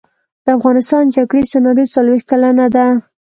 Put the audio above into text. د افغانستان جګړې سناریو څلویښت کلنه کړه.